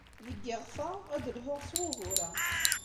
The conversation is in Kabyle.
Deg yiɣef-a, ad d-lhuɣ s wugur-a.